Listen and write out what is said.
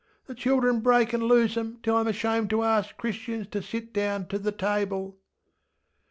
ŌĆśThe children break anŌĆÖ lose ŌĆÖem till IŌĆÖm ashamed to ask Christians ter sit down ter the table.